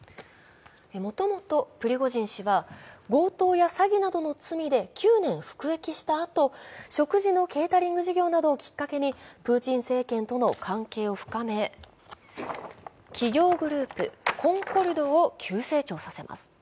もともとプリゴジン氏は強盗や詐欺などの罪で９年服役したあと食事のケータリング事業などをきっかけにプーチン政権との関係を深め企業グループ・コンコルドを急成長させます。